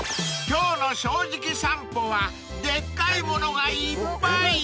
［今日の『正直さんぽ』はでっかいものがいっぱい］